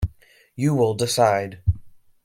You will decide.